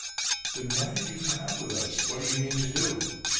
"Then why did you come out with us? What do you mean to do?"